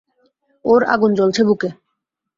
ওর আগুন জ্বলছে বুকে।